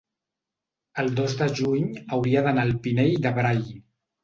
el dos de juny hauria d'anar al Pinell de Brai.